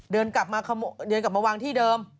เดินกลับมาวางที่เดิม